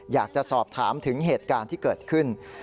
อยากจะสอบถามถึงเหตุการณ์ที่เกิดขึ้น